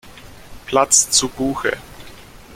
Platz zu Buche.